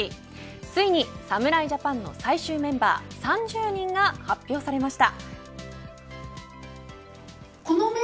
ついに侍ジャパンの最終メンバー３０人が発表されました。